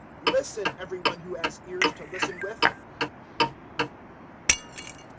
Listen, every one who has ears to listen with!"